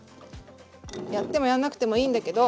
やってもやんなくてもいいんだけど。